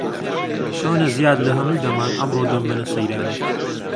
چۆنە زیاد لە هەموو دەمان، ئەمڕۆ دەمبەنە سەیرانێ؟